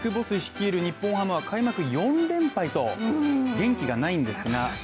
ＢＩＧＢＯＳＳ率いる日本ハムは開幕４連敗と元気がないんですが、。